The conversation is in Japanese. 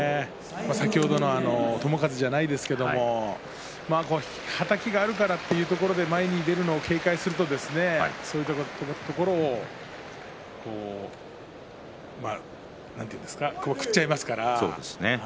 先ほどの友風じゃないですけれどもはたきがあるからというところで前に出るのを警戒するとそういったところをなんていうんですか食っちゃいますから。